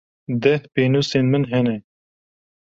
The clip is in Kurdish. Deh pênûsên min hene.